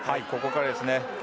ここからですね。